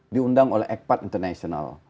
diundang oleh ecpat international